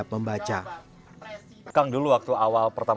pembangunan daerah dan transmigrasi selama dua ribu lima belas